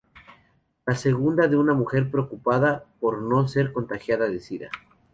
La segunda una mujer preocupada por no ser contagiada de sida.